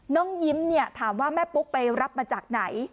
น้องยิ้มเนี่ยถามว่าแม่ปุ๊กไปรับมาจากไหน